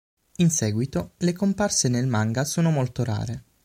In seguito, le comparse nel manga sono molto rare.